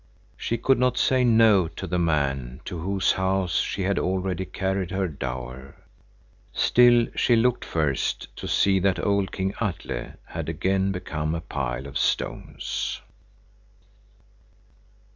She could not say no to the man, to whose house she had already carried her dower. Still she looked first to see that old King Atle had again become a pile of stones.